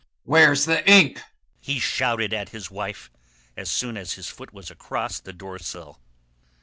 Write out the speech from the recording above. "Where's the ink?" he shouted at his wife as soon as his foot was across the doorsill.